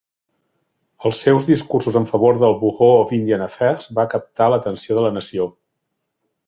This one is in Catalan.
Els seus discursos en favor del Bureau of Indian Affairs va captar l'atenció de la nació.